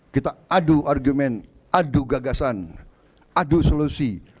kita adu argumen adu gagasan adu solusi